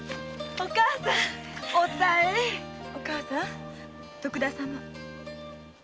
お母さん徳田様よ。